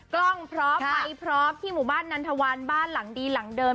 กล้องพร้อมไปพร้อมที่หมู่บ้านนันทวันบ้านหลังดีหลังเดิม